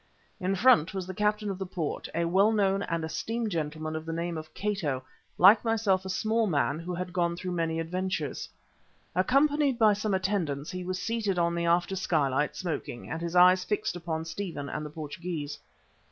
In front was the Captain of the port, a well known and esteemed gentleman of the name of Cato, like myself a small man who had gone through many adventures. Accompanied by some attendants, he was seated on the after skylight, smoking, with his eyes fixed upon Stephen and the Portugee.